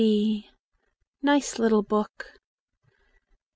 b Nice little book!